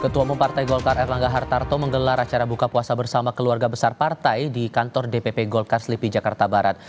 ketua umum partai golkar erlangga hartarto menggelar acara buka puasa bersama keluarga besar partai di kantor dpp golkar slipi jakarta barat